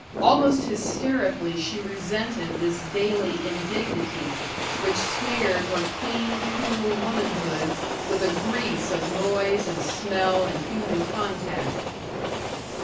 Almost hysterically she resented this daily indignity, which smeared her clean, cool womanhood with a grease of noise and smell and human contact.